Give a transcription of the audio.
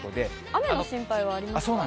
雨の心配はありますか？